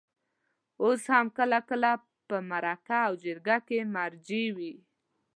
اوس هم کله کله په مرکه او جرګه کې مرجع وي.